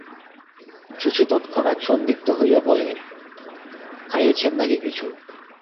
শশী তৎক্ষণাৎ সন্দিগ্ধ হইয়া বলে, থাইয়েছেন নাকি কিছু?